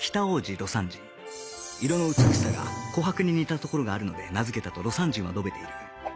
色の美しさが琥珀に似たところがあるので名付けたと魯山人は述べている